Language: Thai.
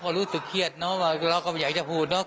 ก็รู้สึกเครียดเนอะว่าเราก็ไม่อยากจะพูดเนาะ